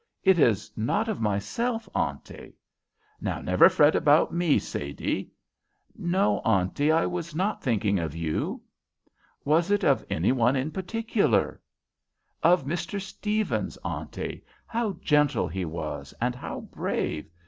"It's not of myself, Auntie." "Never fret about me, Sadie." "No, Auntie, I was not thinking of you." "Was it of any one in particular." "Of Mr. Stephens, Auntie. How gentle he was, and how brave!